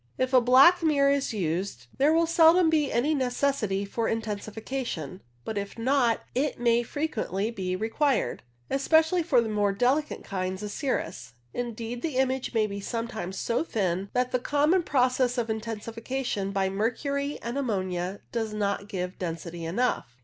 If a black mirror is used there will seldom be any necessity for intensification, but if not, it may frequently be required, especially for the more delicate kinds of cirrus. Indeed, the image may sometimes be so thin that the common process of intensification by mercury and ammonia does not give density enough.